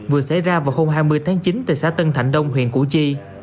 vừa xảy ra vào hôm hai mươi tháng chín tại xã tân thạnh đông huyện củ chi